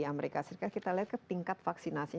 amerika serikat kita lihat kan tingkat vaksinasi